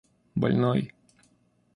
больной